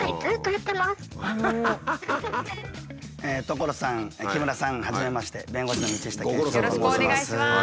所さん木村さんはじめまして弁護士の道下剣志郎と申します。